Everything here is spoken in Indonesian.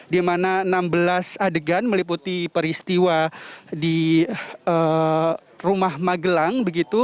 di mana enam belas adegan meliputi peristiwa di rumah magelang begitu